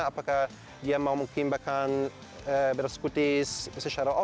apakah dia mau mungkin bahkan bersekutis secara off road